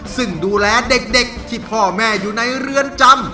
ซึ่งดูแลเด็กที่พ่อแม่อยู่ในเรือนจำ